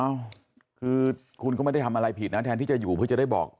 เอ้าคือคุณก็ไม่ได้ทำอะไรผิดนะแทนที่จะอยู่เพื่อจะได้บอก